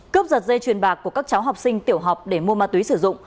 cướp giật dây truyền bạc của các cháu học sinh tiểu học để mua ma túy sử dụng